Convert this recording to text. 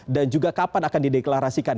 dan juga kapan akan dideklarasikan